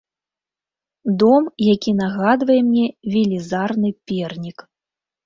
Дом, які нагадвае мне велізарны пернік.